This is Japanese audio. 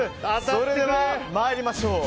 それでは参りましょう。